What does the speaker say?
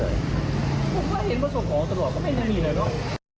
ให้มัวส่งของกันด้วยไม่มีเลยเนาะ